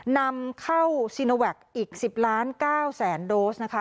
นำเข้าอีกสิบล้านเก้าแสนโดสนะคะ